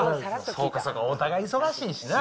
そうかそうか、お互い忙しいしな。